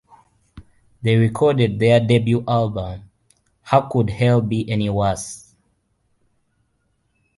They recorded their debut album, How Could Hell Be Any Worse?